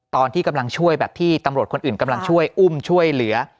ตอนที่กำลังช่วยแบบที่ตำรวจคนอื่นกำลังช่วยอุ้มช่วยเหลือ